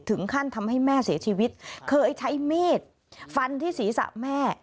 ถึงขั้นทำให้แม่เสียชีวิตเคยใช้มีดฟันที่ศีรษะแม่